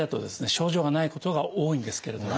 症状がないことが多いんですけれども。